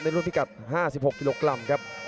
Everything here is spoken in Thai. รุ่นพิกัด๕๖กิโลกรัมครับ